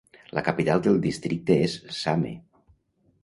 La capital del districte és Same.